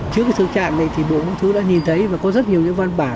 trước cái thương trạng này thì bộ công chức đã nhìn thấy và có rất nhiều những văn bản